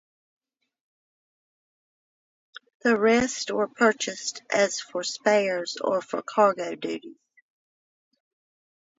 The rest were purchased as for spares or for cargo duties.